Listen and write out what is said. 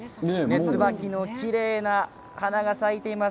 ツバキのきれいな花が咲いています。